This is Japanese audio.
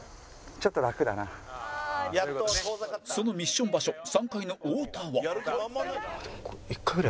そのミッション場所３階の太田は